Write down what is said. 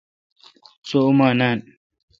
سو اوماں نان